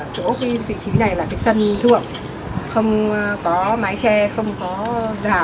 chỗ vị trí này là cái sân thượng không có mái tre không có rào